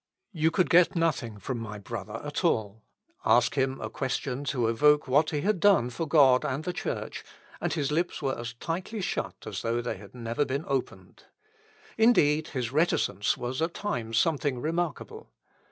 You could get nothing from my brother at all. Ask him a question to evoke what he had done for God and the Church, and his lips were as tightly shut as though they had never been opened. Indeed, his reticence was at times something remarkable.